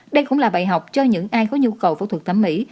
đây cũng là bài học cho những ai có nhu cầu phẫu thuật thẩm mỹ